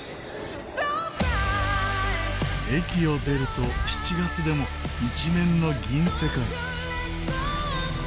駅を出ると７月でも一面の銀世界。